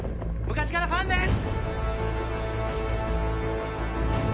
昔からファンです！